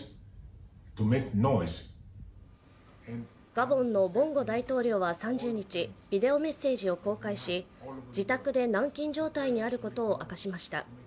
ガボンのボンゴ大統領は３０日ビデオメッセージを公開し自宅で軟禁状態にあることを明かしました。